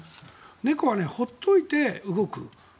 猫は放っておいて動く。